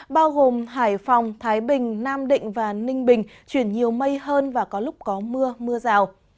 bao gồm hải phòng thái bình nam định và ninh bình chuyển nhiều mây hơn và có lúc có mưa mưa rào